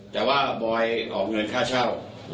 แต่ว่าบอยออกเงินค่าเช่า